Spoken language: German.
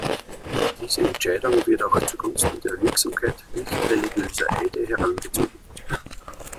Diese Entscheidung wird auch zugunsten der Wirksamkeit nichtreligiöser Eide herangezogen.